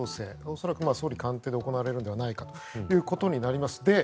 恐らく総理官邸で行われるのではないかということになります。